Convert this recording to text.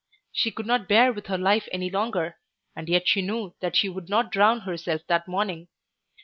She could not bear with her life any longer, and yet she knew that she would not drown herself that morning.